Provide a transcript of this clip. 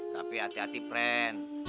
tapi hati hati pren